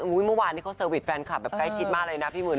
เมื่อวานนี้เขาเซอร์วิสแฟนคลับแบบใกล้ชิดมากเลยนะพี่หมื่น